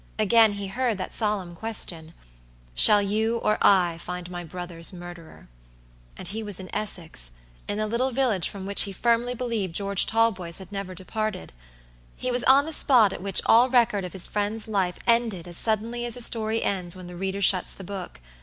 Again he heard that solemn question: "Shall you or I find my brother's murderer?" And he was in Essex; in the little village from which he firmly believed George Talboys had never departed. He was on the spot at which all record of his friend's life ended as suddenly as a story ends when the reader shuts the book.